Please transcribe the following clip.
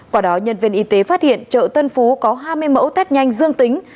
quả đó nhân viên y tế phát hiện chợ tân phú có hai mươi mẫu test nhanh dương tính